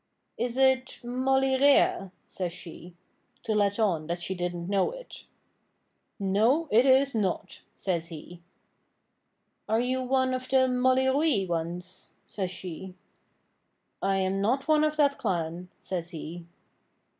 'Is it Mollyrea?' says she to let on that she didn't know it. 'No, it is not,' says he. 'Are you one of the Mollyruiy ones?' says she. 'I'm not one of that clan,' says he.